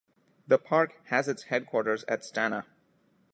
The park has its headquarters at Stanah.